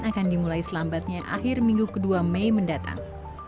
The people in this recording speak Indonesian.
akan dimulai selambatnya akhir minggu ke dua mei mendatang